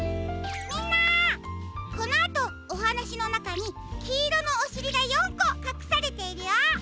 このあとおはなしのなかにきいろのおしりが４こかくされているよ。